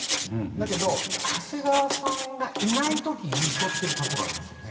だけど長谷川さんがいないときに撮ってるカットがありますよね。